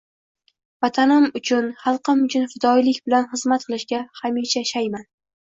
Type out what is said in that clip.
Vatanim uchun, xalqim uchun fidoyilik bilan xizmat qilishga hamisha shayman!